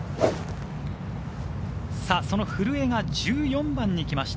その古江が１４番にきました。